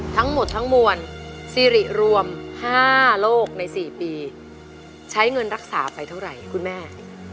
ทั้งหมดทั้งมวลซีริรวม๕โลกใน๔ปีใช้เงินรักษาไปเท่าไหร่คุณแม่